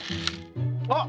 あっ！